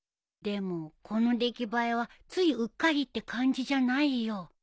でもこの出来栄えはついうっかりって感じじゃないよ。